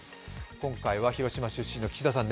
今回は広島出身の岸田さん